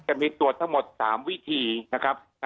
จะมีตรวจทั้งหมด๓วิธีนะครับ